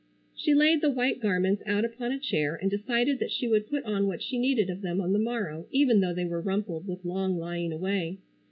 She laid the white garments out upon a chair and decided that she would put on what she needed of them on the morrow, even though they were rumpled with long lying away.